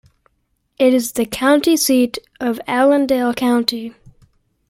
It is the county seat of Allendale County.